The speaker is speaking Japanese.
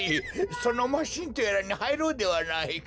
そのマシーンとやらにはいろうではないか。